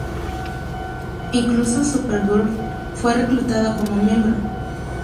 Incluso Supergirl fue reclutada como miembro.